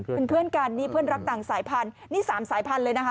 เป็นเพื่อนกันนี่เพื่อนรักต่างสายพันธุ์นี่๓สายพันธุ์เลยนะคะ